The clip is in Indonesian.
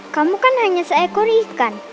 kamu kan hanya seekor ikan